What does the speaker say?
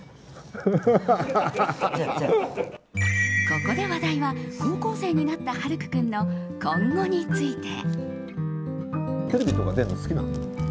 ここで話題は高校生になった晴空君の今後について。